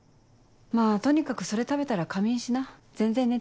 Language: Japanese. まぁとにかくそれ食べたら仮眠しな全然寝てないでしょ。